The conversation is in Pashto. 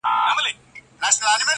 آس مي در کی، پر سپرېږې به نه.